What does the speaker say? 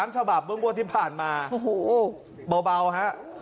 ๖๓ฉบับเมื่อมือที่ผ่านมาโอ้โหบ่าวฮะ